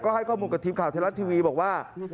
ให้ข้อมูลกับทีมข่าวไทยรัฐทีวีบอกว่า